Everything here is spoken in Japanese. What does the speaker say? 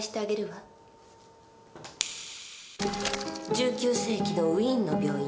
１９世紀のウィーンの病院。